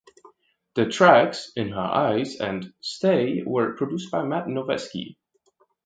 The tracks "In Her Eyes" and "Stay" were produced by Matt Noveskey.